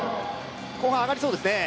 後半上がりそうですね